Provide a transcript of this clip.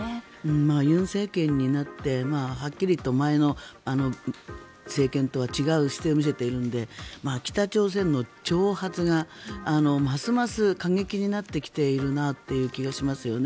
尹政権になってはっきり言って前の政権とは違う姿勢を見せているので北朝鮮の挑発がますます過激になってきているなという気がしますよね。